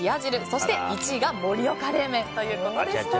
そして１位が盛岡冷麺ということでした。